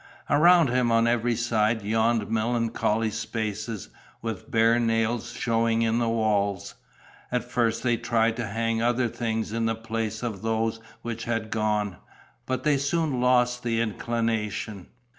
Around him on every side yawned melancholy spaces, with bare nails showing in the walls. At first they tried to hang other things in the place of those which had gone; but they soon lost the inclination.